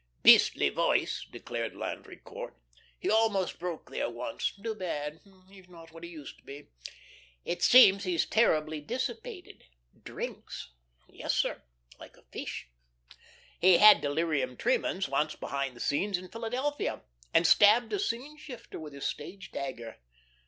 "Beastly voice," declared Landry Court. "He almost broke there once. Too bad. He's not what he used to be. It seems he's terribly dissipated drinks. Yes, sir, like a fish. He had delirium tremens once behind the scenes in Philadelphia, and stabbed a scene shifter with his stage dagger.